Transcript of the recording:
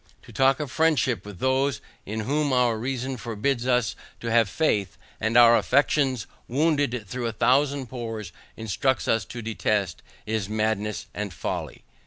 To talk of friendship with those in whom our reason forbids us to have faith, and our affections wounded through a thousand pores instruct us to detest, is madness and folly.